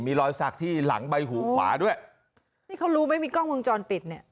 มีรอยสักที่หลังใบหูขวาด้วยนี่เขารู้ไหมมีกล้องวงจรปิดเนี่ย